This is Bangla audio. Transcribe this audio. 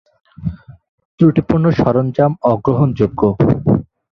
ত্রুটিপূর্ণ সরঞ্জাম অগ্রহণযোগ্য।